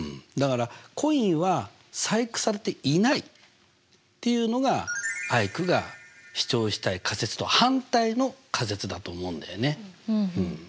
だから「コインは細工されていない」っていうのがアイクが主張したい仮説と反対の仮説だと思うんだよね。